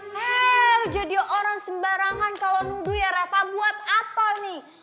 heee lo jadi orang sembarangan kalau nuduh ya reva buat apa nih